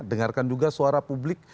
dengarkan juga suara publik